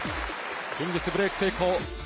ヒンギス、ブレーク成功。